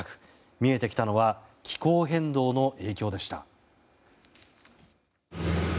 見えてきたのは気候変動の影響でした。